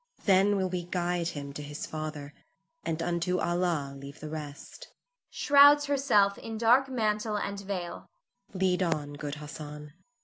Then will we guide him to his father, and unto Allah leave the rest [shrouds herself in dark mantle and veil]. Lead on, good Hassan.